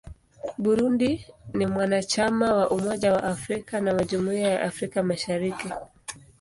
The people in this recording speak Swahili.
Burundi ni mwanachama wa Umoja wa Afrika na wa Jumuiya ya Afrika Mashariki.